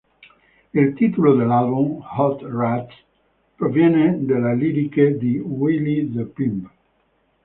Il titolo dell'album "Hot Rats" proviene dalle liriche di "Willie the Pimp".